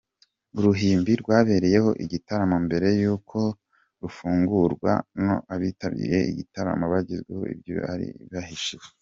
Uruhimbi rwabereyeho igitaramo mbere y'uko rufungurwa ngo abitabiriye igitaramo bagezweho ibyo bari bahishiwe.